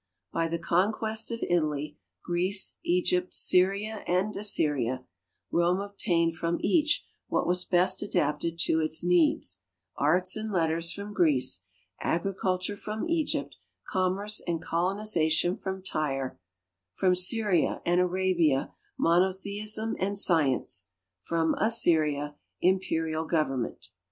By the conquest of Italy, Greece, Egypt, Syria, and Assyria, Rome obtained from each what was best adapted to its needs — arts and letters from Greece, agri culture from I'^gypt, commerce and colonization from Tyre ; from Syi ia and Arabia, monotheism and science ; from Assyria, imi)erial govern ment.